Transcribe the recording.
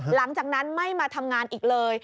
หลังจากนั้นไม่มาทำงานอีกเลย